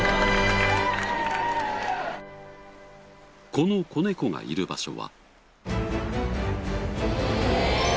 この子猫がいる場所は。